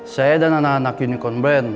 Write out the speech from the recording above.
saya dan anak anak unicorn brand